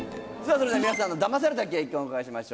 それでは皆さんのだまされた経験をお伺いしましょうか。